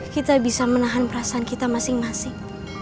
kita bisa menahan perasaan kita masing masing